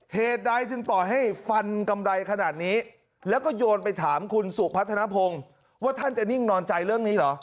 เหตุใดจึงปล่อยให้ฟันกำไรขนาดนี้แล้วก็โยนไปถามคุณสุพัฒนภงว่าท่านจะนิ่งนอนใจเรื่องนี้เหรอ